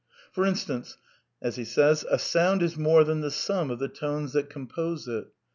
'' For instance, '' A sound is more than the sum of the tones that compose it.